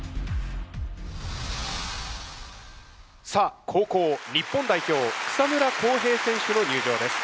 さあ後攻日本代表草村航平選手の入場です。